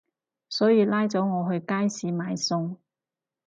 所以拉咗我去街市買餸